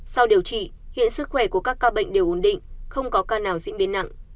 sau điều trị hiện sức khỏe của các ca bệnh đều ổn định không có ca nào diễn biến nặng